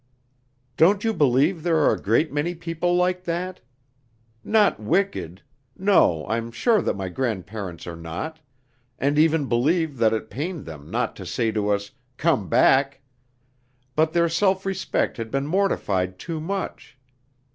"Don't you believe there are a great many people like that? Not wicked. No, I am sure that my grandparents are not, and even believe that it pained them not to say to us: 'Come back!' But their self respect had been mortified too much.